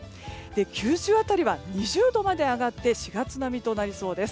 九州辺りは２０度まで上がって４月並みとなりそうです。